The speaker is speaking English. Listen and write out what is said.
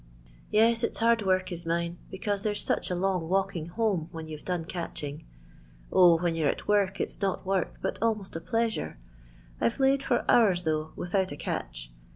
" Yes, it 's hard work is mine, becaoie there's such a long walking home when you've done catching. 0, when you 're at work it '■ not work but almost a pleasure. I 've laid for boon though, without a catch.